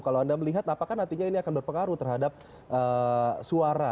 kalau anda melihat apakah nantinya ini akan berpengaruh terhadap suara